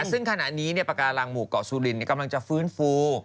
ซึ่งขณะนี้ปากการังหมู่เกาะซูลินกำลังจะฟื้นฟู